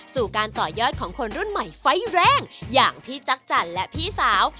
สู่การต่อยอดของคนรุ่นใหม่ไฟล์แรงอย่างพี่จักรจันทร์และพี่สาว